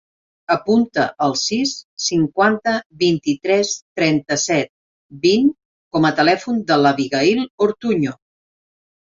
Apunta el sis, cinquanta, vint-i-tres, trenta-set, vint com a telèfon de l'Abigaïl Ortuño.